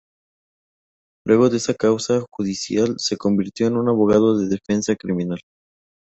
Luego de esa causa judicial, se convirtió en un abogado de defensa criminal.